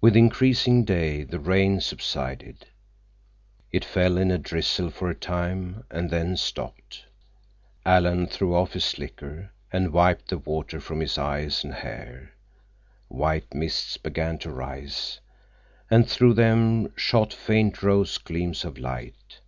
With increasing day the rain subsided; it fell in a drizzle for a time and then stopped. Alan threw off his slicker and wiped the water from his eyes and hair. White mists began to rise, and through them shot faint rose gleams of light.